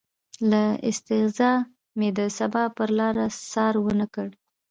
له استغنا مې د سبا پرلاره څار ونه کړ